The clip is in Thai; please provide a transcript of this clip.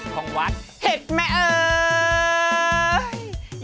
ของวัดเห็ดแม่เอ่ย